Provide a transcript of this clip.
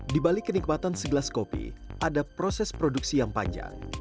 di balik kenikmatan segelas kopi ada proses produksi yang panjang